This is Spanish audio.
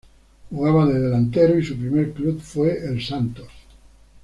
Jugaba de delantero y su primer club fue el Santos.